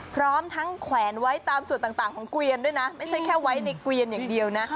พร้อมทั้งแขวนไว้ตามส่วนต่างของเกวียนด้วยนะไม่ใช่แค่ไว้ในเกวียนอย่างเดียวนะ